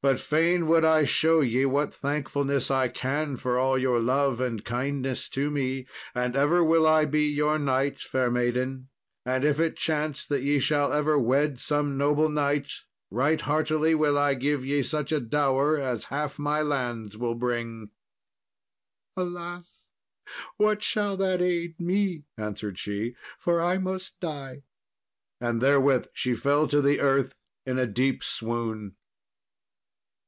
But fain would I show ye what thankfulness I can for all your love and kindness to me. And ever will I be your knight, fair maiden; and if it chance that ye shall ever wed some noble knight, right heartily will I give ye such a dower as half my lands will bring." "Alas! what shall that aid me?" answered she; "for I must die," and therewith she fell to the earth in a deep swoon.